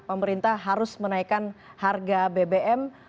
pemerintah harus menaikkan harga bbm